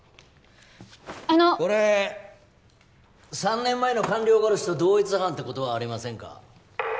あのこれ３年前の官僚殺しと同一犯ってことはありませんか？